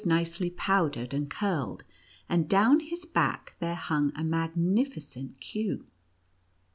nicely powdered and curled ; and down his back there hnng a magnificent queue.